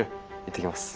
いってきます。